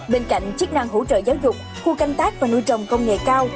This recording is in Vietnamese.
bên cạnh chức năng hỗ trợ giáo dục khu canh tác và nuôi trồng công nghệ cao